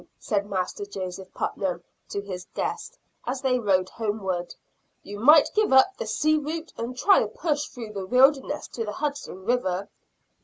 said Master Joseph Putnam to his guest, as they rode homeward. "You might give up the sea route and try a push through the wilderness to the Hudson River."